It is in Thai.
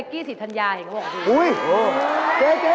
เฟกกี้ศิษย์ธรรยายเห็นเขาบอกดี